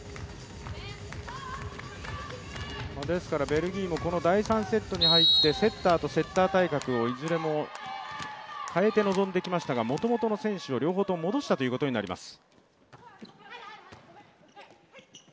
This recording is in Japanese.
ベルギーも第３セットに入って、セッターとセッター対角をいずれも代えて臨んできましたがもともとの選手を両方とも戻したということになります。